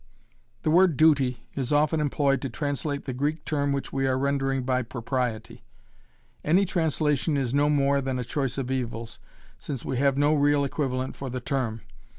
The word "duty" is often employed to translate the Greek term which we are rendering by "propriety." Any translation is no more than a choice of evils, since we have no real equivalent for the term.